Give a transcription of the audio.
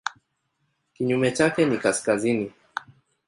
Kinyume chake ni kaskazini.